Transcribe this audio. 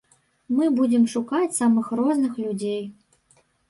Мы будзем шукаць самых розных людзей.